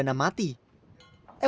yang merupakan seorang muslimh